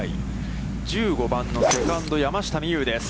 １５番のセカンド、山下美夢有です。